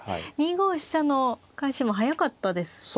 ２五飛車の返しも速かったですし。